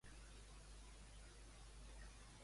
Arribaré bastant tard, què puc dinar?